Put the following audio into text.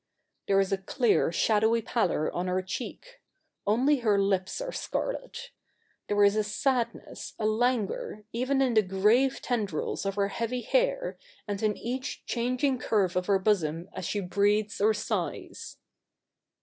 There is a clear, shadowy pallor on her cheek. Only her lips are scarlet. There is a sadness— a languor, even in the grave tendrils of her hea\7 hair, and in each changing curve of her bosom as she breathes or sighs.'